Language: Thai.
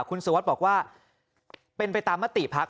คุณสุวัสดิ์บอกว่าเป็นไปตามมติภักดิ